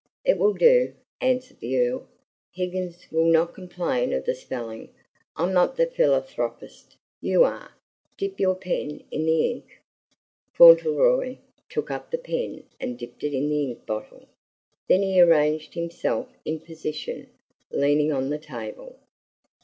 "It will do," answered the Earl. "Higgins will not complain of the spelling. I'm not the philanthropist; you are. Dip your pen in the ink." Fauntleroy took up the pen and dipped it in the ink bottle, then he arranged himself in position, leaning on the table.